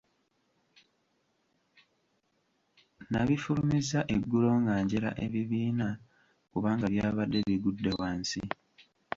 Nabifulumizza eggulo nga njera ebibiina kubanga byabadde bigudde wansi.